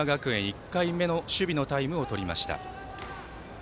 １回目の守備のタイムとりました。